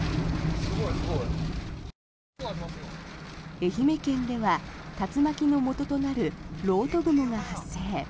愛媛県では竜巻のもととなる漏斗雲が発生。